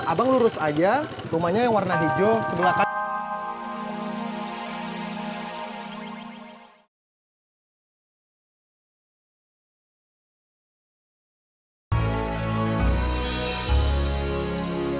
abang lurus aja rumahnya yang warna hijau sebelah kanan